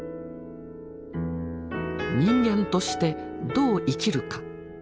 人間としてどう生きるか。